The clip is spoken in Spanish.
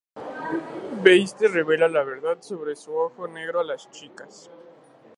Beiste revela la verdad sobre su ojo negro a las chicas.